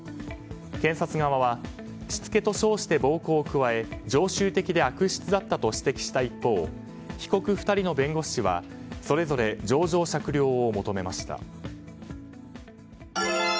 検察側はしつけと称して暴行を加え常習的で悪質だったと指摘した一方被告２人の弁護士はそれぞれ情状酌量を求めました。